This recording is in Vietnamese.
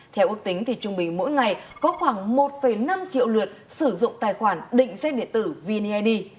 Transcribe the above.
theo ước tính thì trung bình mỗi ngày có khoảng một năm triệu lượt sử dụng tài khoản định xe điện tử vneid